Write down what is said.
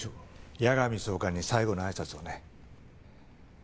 矢上総監に最後のあいさつをね。